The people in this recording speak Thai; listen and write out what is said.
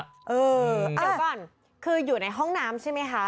เดี๋ยวก่อนคืออยู่ในห้องน้ำใช่ไหมคะ